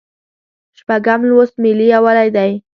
شپږم لوست ملي یووالی دی.